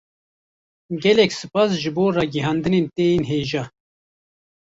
Gelek spas ji bo ragihandinên te yên hêja